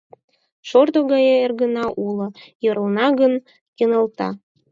Шордо гае эргына уло, йӧрлына гын, кынелта.